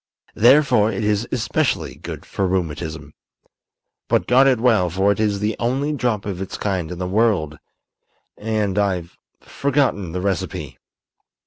Therefore it is especially good for rheumatism. But guard it well, for it is the only drop of its kind in the world, and I've forgotten the recipe."